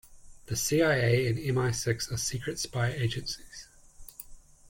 The CIA and MI-Six are secret spy agencies.